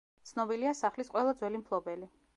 ცნობილია სახლის ყველა ძველი მფლობელი.